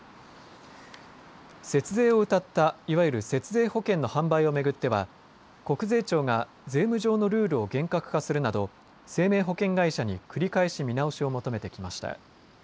節税をうたったいわゆる節税保険の販売を巡っては国税庁が税務上のルールを厳格化するなど生命保険会社に繰り返し見直しを求めてきました。